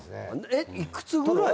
えっ幾つぐらい？